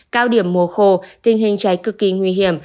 cao điểm mùa khô tình hình cháy cực kỳ nguy hiểm